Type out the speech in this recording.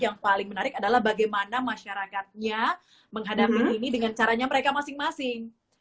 yang paling menarik adalah bagaimana masyarakatnya menghadapi ini dengan caranya mereka masing masing